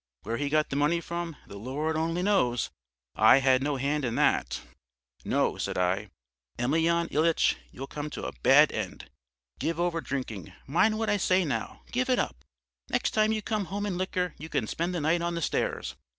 Where he got the money from, the Lord only knows; I had no hand in that. "'No,' said I, 'Emelyan Ilyitch, you'll come to a bad end. Give over drinking, mind what I say now, give it up! Next time you come home in liquor, you can spend the night on the stairs.